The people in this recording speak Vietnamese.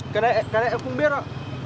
cái này cái này em không biết ạ